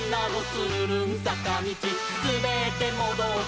つるるんさかみち」「すべってもどって」